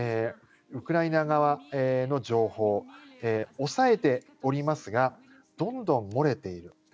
ウクライナ側の情報を抑えておりますがどんどん漏れている。